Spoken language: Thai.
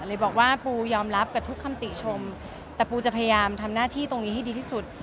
เลยบอกว่าปูยอมรับกับทุกคำติชมแต่ปูจะพยายามทำหน้าที่ตรงนี้ให้ดีที่สุด